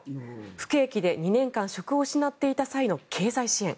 不景気で２年間職を失っていた際の経済支援。